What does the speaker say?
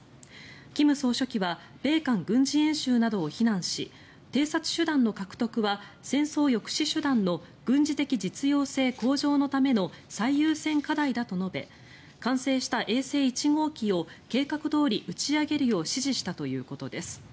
金総書記は米韓軍事演習などを非難し偵察手段の獲得は戦争抑止手段の軍事的実用性向上のための最優先課題だと述べ完成した衛星１号機を計画どおり打ち上げるよう指示したということです。